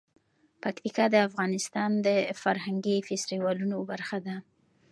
پکتیکا د افغانستان د فرهنګي فستیوالونو برخه ده.